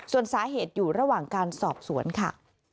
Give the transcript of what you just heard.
ส่วนสาเหตุอยู่ระหว่างการสอบสวนค่ะ